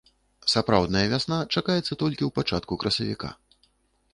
Сапраўдная вясна чакаецца толькі ў пачатку красавіка.